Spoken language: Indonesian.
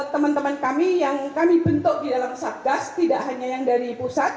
teman teman kami yang kami bentuk di dalam satgas tidak hanya yang dari pusat